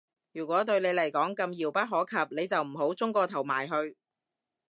如果對你嚟講咁遙不可及，你就唔好舂個頭埋去